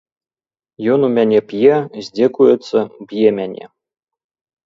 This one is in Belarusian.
Ён у мяне п'е, здзекуецца, б'е мяне.